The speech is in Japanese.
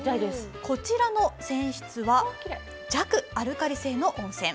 こちらの泉質は弱アルカリ性の温泉。